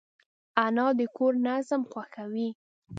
انا د کور نظم خوښوي